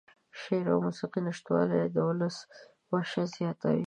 د شعر او موسيقۍ نشتوالى د اولس وحشت زياتوي.